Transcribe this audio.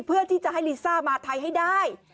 เพื่อที่จะให้ลิซ่ามาไทยให้ได้